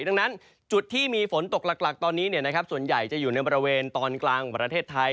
ดังนั้นจุดที่มีฝนตกหลักตอนนี้ส่วนใหญ่จะอยู่ในบริเวณตอนกลางของประเทศไทย